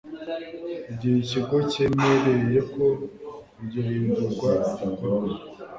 igihe Ikigo cyemereyeko iryo hindurwa rikorwa